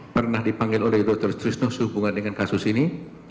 pernah dipanggil oleh dr trisno sehubungan dengan kasus ini